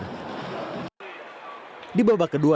di babak kedua tim barito menggunakan perhatian